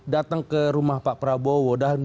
datang ke rumah pak prabowo